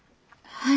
はい。